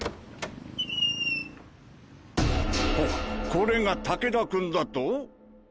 ここれが武田君だと？